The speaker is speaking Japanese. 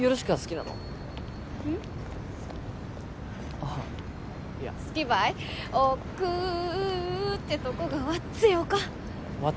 あっいや好きばい「億劫」ってとこがわっぜよかわっぜ？